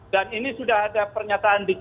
dan ini sudah ada pernyataan di bapak